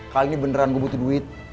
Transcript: kali ini beneran gue butuh duit